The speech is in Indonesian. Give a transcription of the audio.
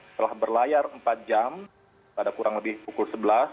setelah berlayar empat jam pada kurang lebih pukul sebelas